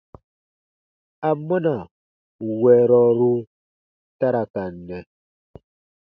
Amɔna wɛrɔru ta ra ka nɛ?